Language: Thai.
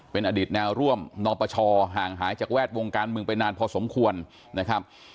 เป็นอดีตแนวร่วมนปชห่างหายจากแวดวงการเมืองไปนานพอสมควรนะครับ